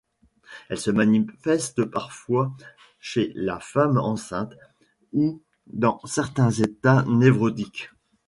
Elle se manifeste parfois chez la femme enceinte ou dans certains états névrotiques.